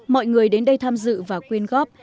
mọi người đến đây tham dự và quyên góp